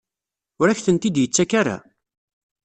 Ur ak-tent-id-yettak ara?